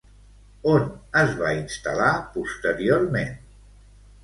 On es va instal·lar posteriorment?